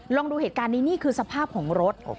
ลองดูเหตุการณ์นี้นี่คือสภาพของรถ